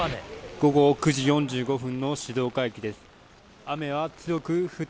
午後９時４５分の静岡駅です。